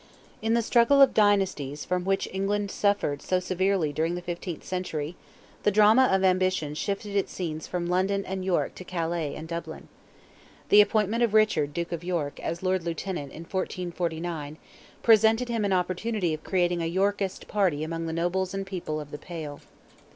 In the struggle of dynasties from which England suffered so severely during the fifteenth century, the drama of ambition shifted its scenes from London and York to Calais and Dublin. The appointment of Richard, Duke of York, as Lord Lieutenant, in 1449, presented him an opportunity of creating a Yorkist party among the nobles and people of "the Pale."